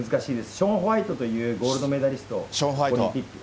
ショーン・ホワイトというゴールドメダリスト、オリンピック。